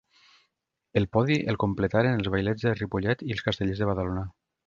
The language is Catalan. El podi el completaren els Vailets de Ripollet i els Castellers de Badalona.